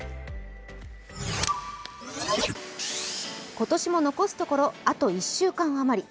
今年も残すところ、あと１週間余り。